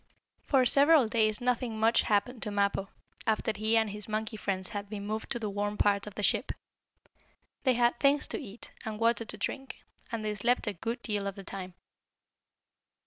For several days nothing much happened to Mappo, after he and his monkey friends had been moved to the warm part of the ship. They had things to eat, and water to drink, and they slept a good deal of the time.